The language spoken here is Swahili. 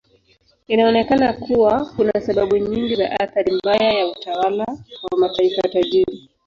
Inaonekana kuwa kuna sababu nyingi za athari mbaya ya utawala wa mataifa tajiri.